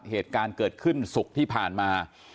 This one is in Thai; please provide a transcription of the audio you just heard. เหตุการณ์เกิดขึ้นศุกร์ที่ผ่านมา